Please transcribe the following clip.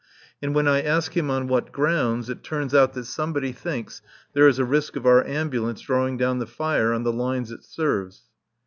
And when I ask him on what grounds, it turns out that somebody thinks there is a risk of our Ambulance drawing down the fire on the lines it serves.